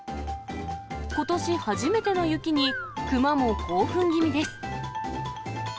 ことし初めての雪に、クマも興奮気味です。